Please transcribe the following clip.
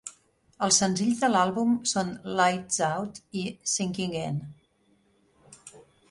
Els senzills de l'àlbum són "Lights Out" i "Sinking In".